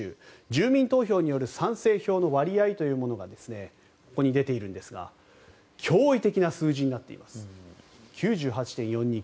住民投票による賛成票の割合というものですが驚異的な数字になっています。